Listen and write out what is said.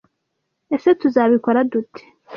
Ese Tuzabikora dute?